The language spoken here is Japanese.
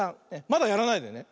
まだやらないでね。